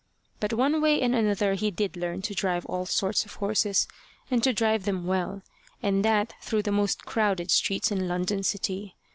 But one way and another he did learn to drive all sorts of horses, and to drive them well, and that through the most crowded streets in London City.